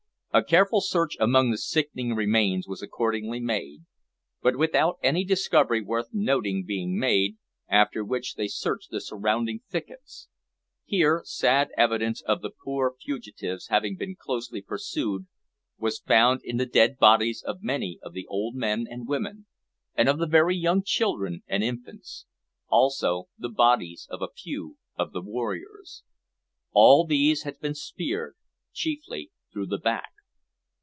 A careful search among the sickening remains was accordingly made, but without any discovery worth noting being made, after which they searched the surrounding thickets. Here sad evidence of the poor fugitives having been closely pursued was found in the dead bodies of many of the old men and women, and of the very young children and infants; also the bodies of a few of the warriors. All these had been speared, chiefly through the back.